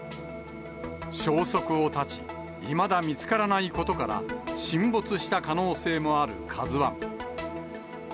消息を絶ち、いまだ見つからないことから、沈没した可能性もあるカズワン。